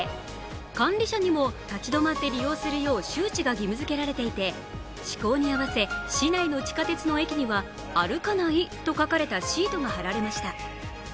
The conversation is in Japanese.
管理者にも、立ち止まって利用するよう周知が義務づけられていて、施行に合わせ、市内の地下鉄の駅には歩かないと書かれたシートが貼られました。